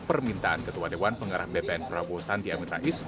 permintaan ketua dewan pengarah bpn prabowo sandi amin rais